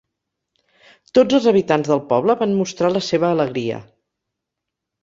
Tots els habitants del poble van mostrar la seva alegria.